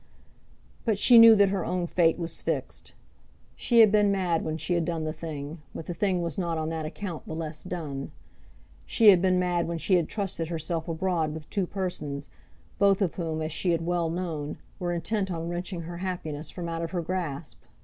But she knew that her own fate was fixed. She had been mad when she had done the thing, but the thing was not on that account the less done. She had been mad when she had trusted herself abroad with two persons, both of whom, as she had well known, were intent on wrenching her happiness from out of her grasp.